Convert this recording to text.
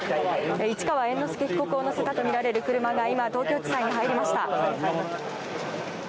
市川猿之助被告を乗せたとみられる車が今、東京地裁に入りました。